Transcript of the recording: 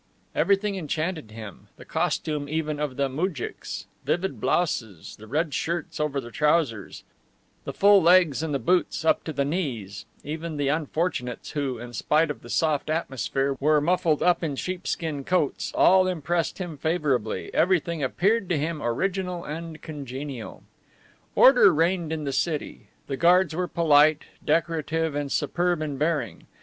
Everything enchanted him the costume even of the moujiks, vivid blouses, the red shirts over the trousers, the full legs and the boots up to the knees, even the unfortunates who, in spite of the soft atmosphere, were muffled up in sheepskin coats, all impressed him favorably, everything appeared to him original and congenial. Order reigned in the city. The guards were polite, decorative and superb in bearing.